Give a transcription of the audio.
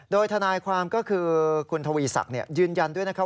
โดยทนายความก็คือคุณทวีศักดิ์ยืนยันด้วยนะครับ